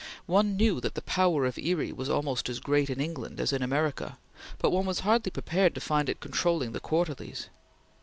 One knew that the power of Erie was almost as great in England as in America, but one was hardly prepared to find it controlling the Quarterlies.